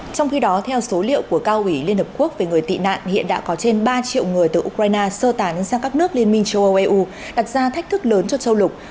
trong khi đó theo số liệu của cao ủy liên hợp quốc về người tị nạn hiện đã có trên ba triệu người từ ukraine sơ tán sang các nước liên minh châu âu eu đặt ra thách thức lớn cho châu lục